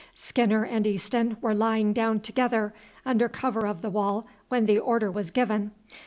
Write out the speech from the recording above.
Skinner and Easton were lying down together under cover of the wall when the order was given.